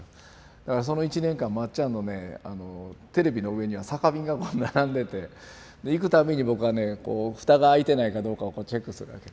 だからその一年間まっちゃんのねテレビの上には酒瓶が並んでて行く度に僕がね蓋が開いてないかどうかをチェックするわけ。